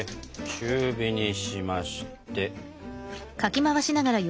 中火にしまして。